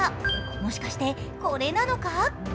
もしかしてこれなのか？